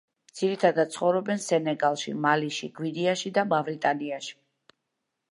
ძირითადად ცხოვრობენ სენეგალში, მალიში, გვინეაში და მავრიტანიაში.